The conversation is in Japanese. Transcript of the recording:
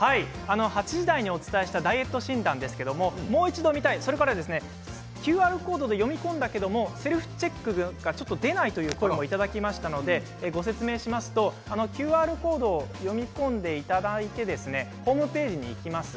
８時台にお伝えしたダイエット診断ですけれどもう一度見たい、それからＱＲコードを読み込んだけれどセルフチェックがちょっと出ないという声もいただきましたのでご説明しますとＱＲコードを読み込んでいただいてホームページにいきます。